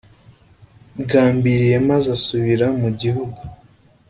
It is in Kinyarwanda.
gambiriye a maze asubire mu gihugu